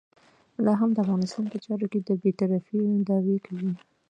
لا هم د افغانستان په چارو کې د بې طرفۍ دعوې کوي.